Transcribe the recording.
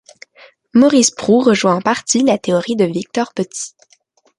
Maurice Prou rejoint en partie la théorie de Victor Petit.